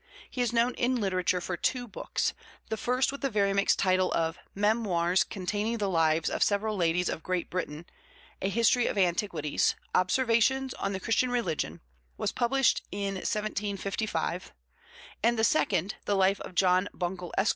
He is known in literature for two books. The first, with the very mixed title of _Memoirs containing the Lives of several Ladies of Great Britain; A History of Antiquities; Observations on the Christian Religion_, was published in 1755, and the second, _The Life of John Buncle, Esq.